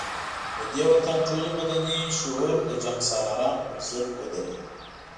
د دې وطن ټول مدني شعور د جنګ سالارانو پر ضد ودرېد.